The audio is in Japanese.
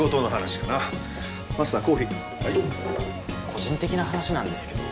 個人的な話なんですけど。